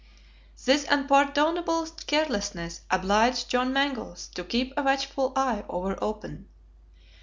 This unpardonable carelessness obliged John Mangles to keep a watchful eye ever open.